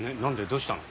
どうしたの？